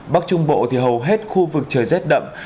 bắc trung bộ thì hầu hết khu vực trời rét đậm